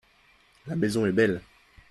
La maison est belle.